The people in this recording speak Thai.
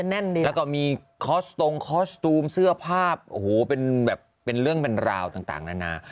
แน่นดีแล้วก็มีคอสตรงคอสตูมเสื้อผ้าโอ้โหเป็นแบบเป็นเรื่องเป็นราวต่างนานา